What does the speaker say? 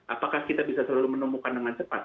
apakah kita bisa selalu menemukan dengan cepat